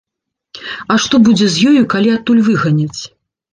А што будзе з ёю, калі адтуль выганяць.